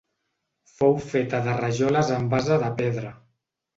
Fou feta de rajoles amb base de pedra.